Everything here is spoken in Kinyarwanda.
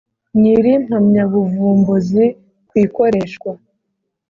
Nyir impamyabuvumbuzi ku ikoreshwa